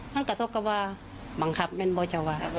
ทั้งกับท่อกับว่าบังคับแม่นบ่าจะว่า